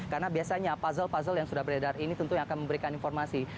karena biasanya puzzle puzzle yang sudah beredar ini tentunya akan memberikan informasi